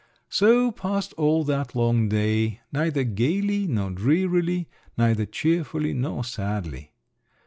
So passed all that long day, neither gaily nor drearily—neither cheerfully nor sadly.